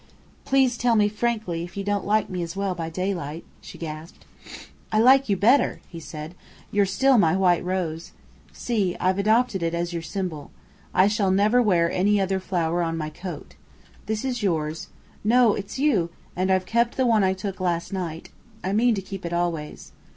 "Please tell me frankly if you don't like me as well by daylight," she gasped. "I like you better," he said. "You're still my white rose. See, I've adopted it as your symbol. I shall never wear any other flower on my coat. This is yours. No, it's you! And I've kept the one I took last night. I mean to keep it always.